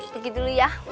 pergi dulu ya